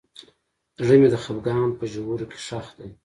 زړه مې د خفګان په ژورو کې ښخ دی.